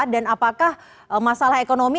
dan apakah masalah ekonomi